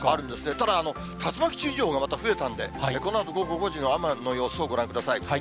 ただ、竜巻注意情報がまた増えたんで、このあと午後５時の雨の様子をご覧ください。